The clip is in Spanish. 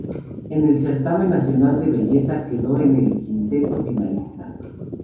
En el certamen nacional de belleza quedó en el quinteto finalista.